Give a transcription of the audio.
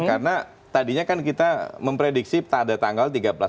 karena tadinya kan kita memprediksi pada tanggal tiga belas empat belas